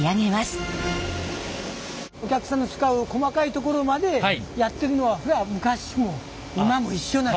お客さんの使う細かいところまでやってるのは昔も今も一緒なんや。